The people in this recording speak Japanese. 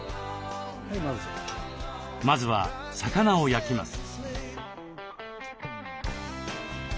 まずは魚を焼きます。